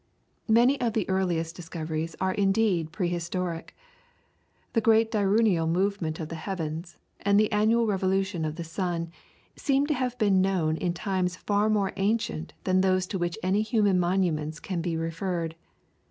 Many of the earliest discoveries are indeed prehistoric. The great diurnal movement of the heavens, and the annual revolution of the sun, seem to have been known in times far more ancient than those to which any human monuments can be referred.